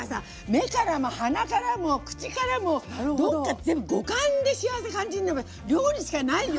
目からも鼻からも口からもどっか全部五感で幸せ感じるの料理しかないよ。